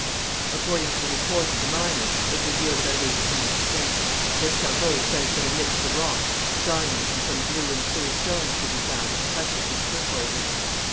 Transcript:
According to the report of the miner, it would yield about eighteen per cent. Lescarbot says that amidst the rocks, diamonds and some blue and clear stones could be found as precious as turquoises.